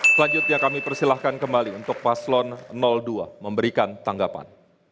selanjutnya kami persilahkan kembali untuk paslon dua memberikan tanggapan